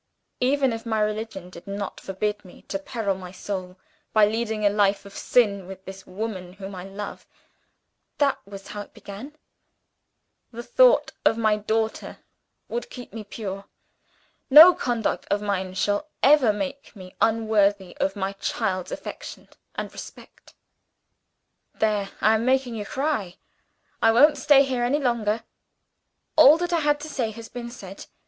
'Even if my religion did not forbid me to peril my soul by leading a life of sin with this woman whom I love' that was how it began 'the thought of my daughter would keep me pure. No conduct of mine shall ever make me unworthy of my child's affection and respect.' There! I'm making you cry; I won't stay here any longer. All that I had to say has been said.